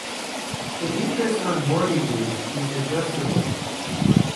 The interest on mortgages is adjustable.